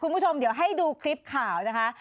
คุณผู้ชมเดี๋ยวให้ดูคลิปข่าวนะคะ